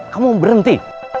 kamu mau berhenti